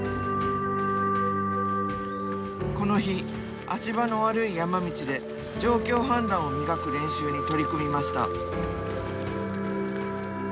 この日足場の悪い山道で状況判断を磨く練習に取り組みました。